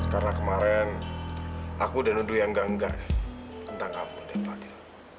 karena kemarin aku dan undu yang ganggar tentang kamu dan fadil